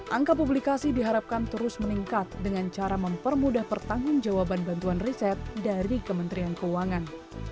angka publikasi diharapkan terus meningkat dengan cara mempermudah pertanggung jawaban bantuan riset dari kementerian keuangan